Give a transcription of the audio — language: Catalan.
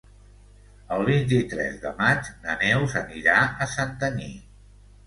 El vint-i-tres de maig na Neus anirà a Santanyí.